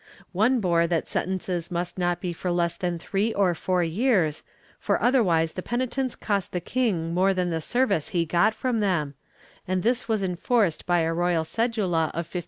One bore that sentences must not be for less than three or four years, for otherwise the penitents cost the king more than the service he got from them, and this was enforced by a royal cedula of 1584.